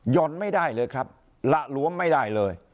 ่อนไม่ได้เลยครับหละหลวมไม่ได้เลย